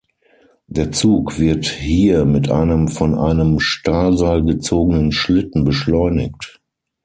Der Zug wird hier mit einem von einem Stahlseil gezogenen Schlitten beschleunigt.